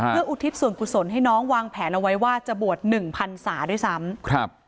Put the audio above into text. เพื่ออุทิศส่วนกุศลให้น้องวางแผนเอาไว้ว่าจะบวชหนึ่งพันศาด้วยซ้ำครับ